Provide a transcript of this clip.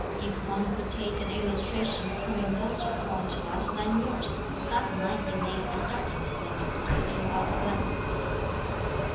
If one could take an illustration coming closer home to us than yours, that might be made the starting point for speaking about philanthropy."